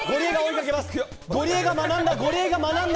ゴリエが学んだ！